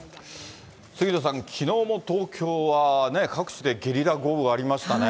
杉野さん、きのうも東京は各地でゲリラ豪雨ありましたね。